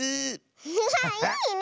アハハいいね